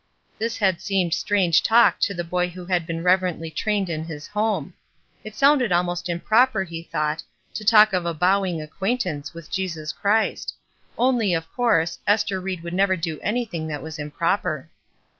This had seemed strange talk to the boy who had been reverently trained in his home. It sounded almost improper, he thought, to talk of a "bowing acquaintance" with Jesus Christ; only, of course. Ester Ried would never do any thing that was improper.